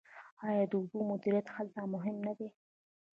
آیا د اوبو مدیریت هلته مهم نه دی؟